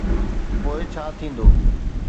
پوءِ ڇا ٿيندو؟